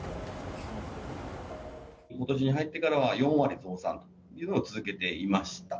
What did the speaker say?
ことしに入ってからは４割増産というのを続けていました。